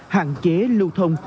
hạn chế lưu thông